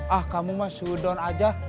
ah kamu mah sudon aja